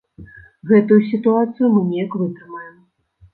Гэтую сітуацыю мы неяк вытрымаем.